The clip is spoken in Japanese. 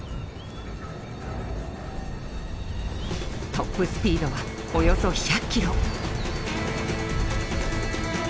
トップスピードはおよそ１００キロ。